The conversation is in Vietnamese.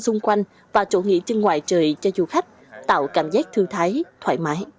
xung quanh và chỗ nghỉ trên ngoài trời cho du khách tạo cảm giác thư thái thoải mái